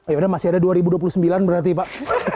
yaudah masih ada dua ribu dua puluh sembilan berarti pak